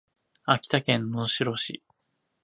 秋田県能代市